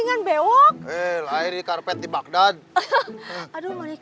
nyeri nyeri pisahan